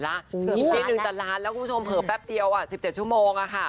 แล้วคุณผู้ชมเผลอแป๊บเดียว๑๗ชั่วโมง